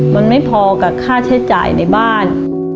มันไม่พอกับค่าใช้จ่ายในบ้าน